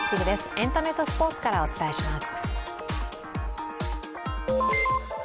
エンタメとスポーツからお伝えします。